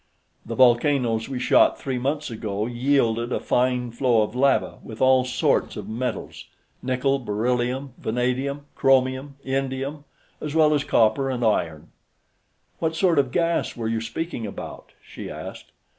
The volcanoes we shot three months ago yielded a fine flow of lava with all sorts of metals nickel, beryllium, vanadium, chromium, indium, as well as copper and iron." "What sort of gas were you speaking about?" she asked.